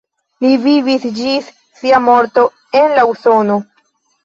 Li vivis ĝis sia morto en la Usono.